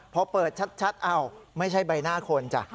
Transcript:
พอเปิดชัดไม่ใช่ใบหน้าคนจ้ะ